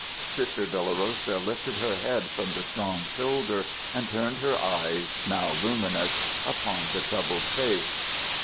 Sister Dolorosa lifted her head from the strong shoulder and turned her eyes, now luminous, upon the troubled face.